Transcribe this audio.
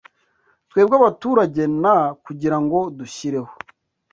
Twebwe abaturage" na "kugira ngo dushyireho"